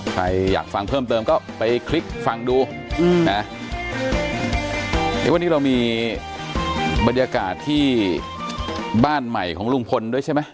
ใครอยากฟังเพิ่มเติมก็ไปคลิปฟังดูอืมนะวันนี้เรามีบรรยากาศที่บ้านใหม่ของลุงพลด้วยใช่ไหม